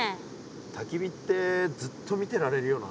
たき火ってずっと見てられるよな。